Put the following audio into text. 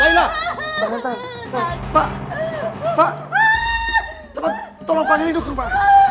aduh sakit perut aku mak